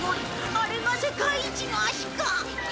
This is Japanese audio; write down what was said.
あれが世界一の足か。